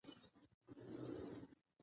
انار د افغان کورنیو د دودونو مهم عنصر دی.